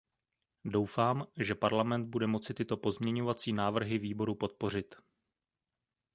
Doufám, že Parlament bude moci tyto pozměňovací návrhy výboru podpořit.